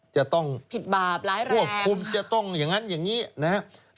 จะต้องควบคุมจะต้องอย่างนั้นอย่างนี้นะฮะพิษบาปร้ายแรง